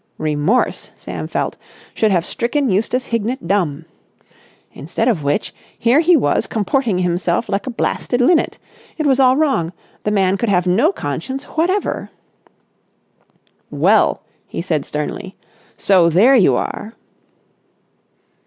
Remorse, Sam felt, should have stricken Eustace Hignett dumb. Instead of which, here he was comporting himself like a blasted linnet. It was all wrong. The man could have no conscience whatever. "Well," he said sternly, "so there you are!"